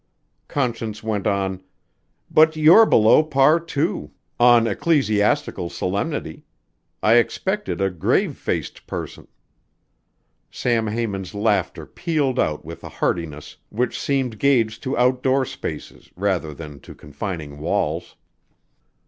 Conscience went on: "But you're below par, too on ecclesiastical solemnity. I expected a grave faced parson " Sam Haymond's laughter pealed out with a heartiness which seemed gauged to outdoor spaces rather than to confining walls.